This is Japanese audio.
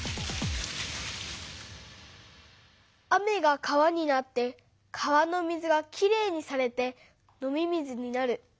雨が川になって川の水がきれいにされて飲み水になる。